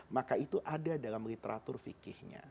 maka itu ada dalam literatur fikihnya